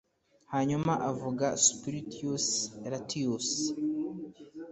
Hanyuma avuga Spurius Lartius